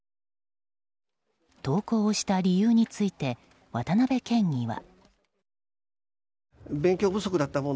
投稿をした理由について渡辺県議は。